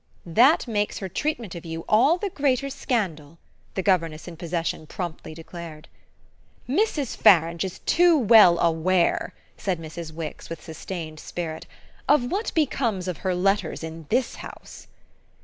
"That makes her treatment of you all the greater scandal," the governess in possession promptly declared. "Mrs. Farange is too well aware," said Mrs. Wix with sustained spirit, "of what becomes of her letters in this house."